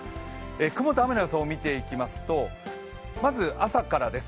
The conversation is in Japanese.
雲と雨の予想を見ていきますとまず朝からです